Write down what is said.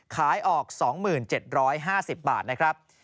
ขายออก๒๗๕๐บาทนะครับ